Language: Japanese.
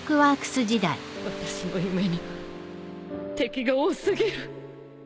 私の夢には敵が多すぎる